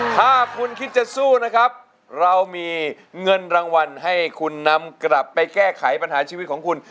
ถ้าคุณคิดจะสู้นะครับเรามีเงินรางวัลให้คุณนำกลับไปแก้ไขปัญหาชีวิตของคุณ